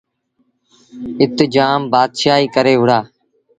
اَت جآم بآتشآهيٚ ڪري وُهڙآ۔